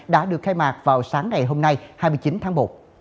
đã được khai mạc vào sáng ngày hôm nay hai mươi chín tháng một